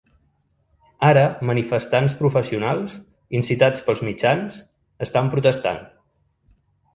Ara, manifestants professionals, incitats pels mitjans, estan protestant.